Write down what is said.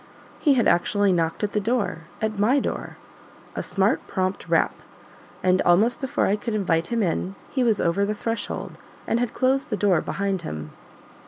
He had actually knocked at the door at MY door; a smart, prompt rap; and, almost before I could invite him in, he was over the threshold, and had closed the door behind him.